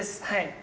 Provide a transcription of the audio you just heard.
はい。